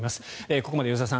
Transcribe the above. ここまで吉田さん